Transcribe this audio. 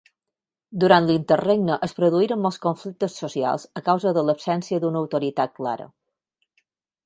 Durant l'interregne es produïren molts conflictes socials a causa de l'absència d'una autoritat clara.